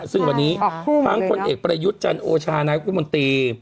ซึ่งวันนี้ฟังคนเอกประยุทธ์จันทร์โอชานายกวิทยุมนตรี